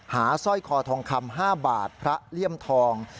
สร้อยคอทองคำ๕บาทพระเลี่ยมทอง